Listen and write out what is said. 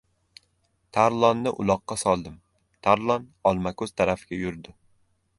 Tarlonni uloqqa soldim — Tarlon Olmako‘z tarafga yurdi.